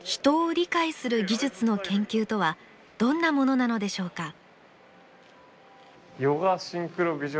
人を理解する技術の研究とはどんなものなのでしょうか。